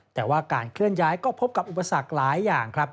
แต่ว่าการเคลื่อนย้ายก็พบกับอุปสรรคหลายอย่างครับ